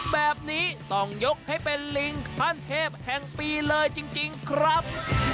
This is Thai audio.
แบบนี้ต้องยกให้เป็นลิงขั้นเทพแห่งปีเลยจริงครับ